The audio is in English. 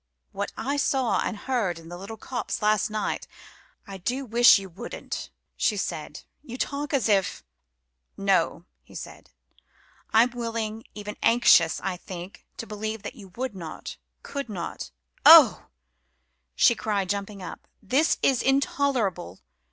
What I saw and heard in the little copse last night " "I do wish you wouldn't," she said. "You talk as if " "No," he said, "I'm willing even anxious, I think to believe that you would not could not " "Oh," she cried, jumping up, "this is intolerable!